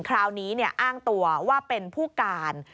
คราวนี้อ้างตัวว่าเป็นผู้การ